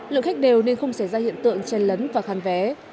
lượng khách đều nên không xảy ra hiện tượng chen lấn và khăn vé